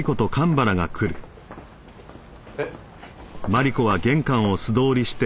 えっ？